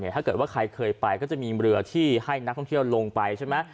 ถ้าเกิดว่าใครเคยไปก็จะมีเรือที่ให้นักท่องเที่ยวลงไปใช่ไหม